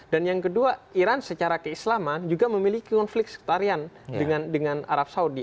dan yang kedua iran secara keislaman juga memiliki konflik sekutarian dengan arab saudi